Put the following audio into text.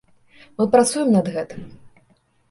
Мы працуем над гэтым.